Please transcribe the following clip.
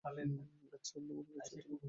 আচ্ছা, আমি মনে করছি এটা জাহান্নাম।